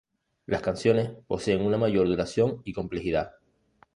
Las canciones poseen una mayor duración y complejidad.